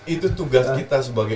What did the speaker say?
itu tugas kita sebagai